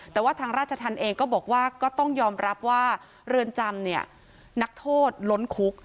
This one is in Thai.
แต่ว่าทางราชธรรมเองก็บอกว่าก็ต้องยอมรับว่าเรือนจำเนี่ยนักโทษล้นคุก